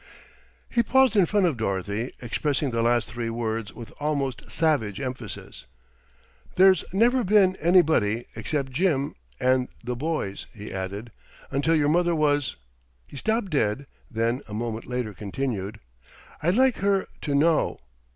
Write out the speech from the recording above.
He paused in front of Dorothy, expressing the last three words with almost savage emphasis. "There's never been anybody except Jim and the boys," he added, "until your mother was " He stopped dead, then a moment later continued: "I'd like her to know."